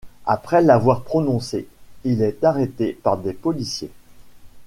Après l'avoir prononcé, il est arrêté par des policiers.